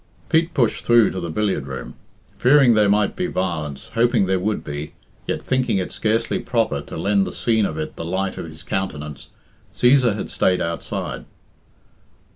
Pete pushed through to the billiard room. Fearing there might be violence, hoping there would be, yet thinking it scarcely proper to lend the scene of it the light of his countenance, Cæsar had stayed outside.